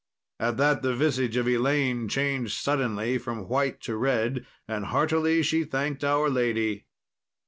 At that the visage of Elaine changed suddenly from white to red, and heartily she thanked our Lady.